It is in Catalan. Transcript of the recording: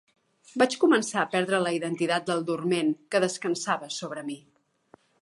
Vaig començar a perdre la identitat del dorment que descansava sobre mi.